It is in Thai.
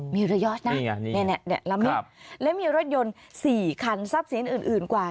มีเรยอร์ชน่ะนี่ไงนี่ไงเนี่ยลำนี่ครับแล้วมีรถยนต์สี่คันทรัพย์สินอื่นอื่นกว่า